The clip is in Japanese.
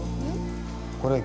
これ。